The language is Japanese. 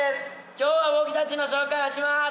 今日は僕たちの紹介をします。